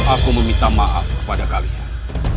aku meminta maaf kepada kalian